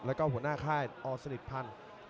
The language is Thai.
แล้วก็หัวหน้าค่ายอสนิทพันธ์